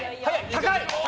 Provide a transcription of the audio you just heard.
高い！